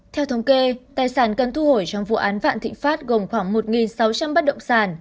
theo thống kê tài sản cần thu hồi trong vụ án vạn thịnh pháp gồm khoảng một sáu trăm linh bất động sản